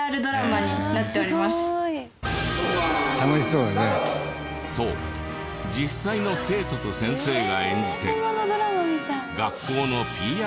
そう実際の生徒と先生が演じて学校のＰＲドラマを。